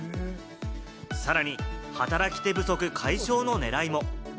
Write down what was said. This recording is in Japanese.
さらに、働き手不足解消の狙いも。